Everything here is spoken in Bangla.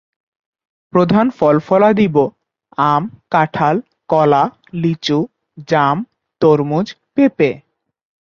প্রধান ফল-ফলাদিব আম, কাঁঠাল, কলা, লিচু, জাম, তরমুজ, পেঁপে।